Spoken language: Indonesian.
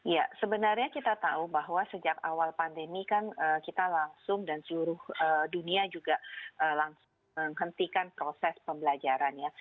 ya sebenarnya kita tahu bahwa sejak awal pandemi kan kita langsung dan seluruh dunia juga langsung menghentikan proses pembelajaran ya